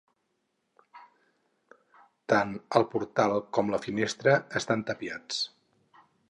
Tant el portal com la finestra estan tapiats.